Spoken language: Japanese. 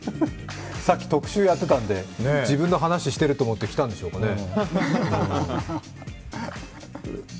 さっき特集やってたんで自分の話をしてると思って来たんでしょうかね。